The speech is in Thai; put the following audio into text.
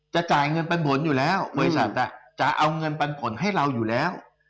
จ่ายเงินปันผลอยู่แล้วบริษัทจะเอาเงินปันผลให้เราอยู่แล้ว